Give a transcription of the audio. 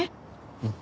うん。